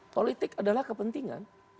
politik adalah kepentingan